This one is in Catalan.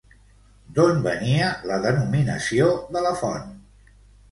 D'on venia la denominació de la font?